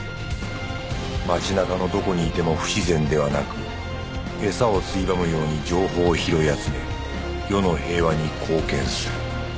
町中のどこにいても不自然ではなくエサをついばむように情報を拾い集め世の平和に貢献する